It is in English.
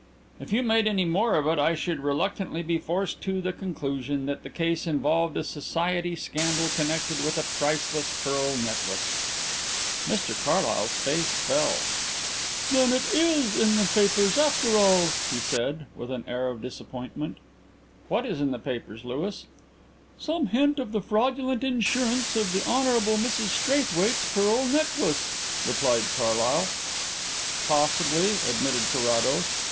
"If you made any more of it I should reluctantly be forced to the conclusion that the case involved a society scandal connected with a priceless pearl necklace." Mr Carlyle's face fell. "Then it is in the papers, after all?" he said, with an air of disappointment. "What is in the papers, Louis?" "Some hint of the fraudulent insurance of the Hon. Mrs Straithwaite's pearl necklace," replied Carlyle. "Possibly," admitted Carrados.